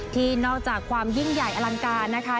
ที่นอกจากความยิ่งใหญ่อลังการนะคะ